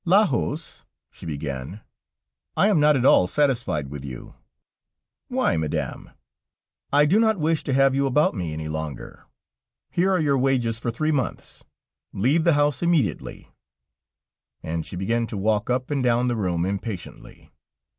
"Lajos," she began, "I am not at all satisfied with you." "Why, Madame?" "I do not wish to have you about me any longer; here are your wages for three months. Leave the house immediately." And she began to walk up and down the room, impatiently.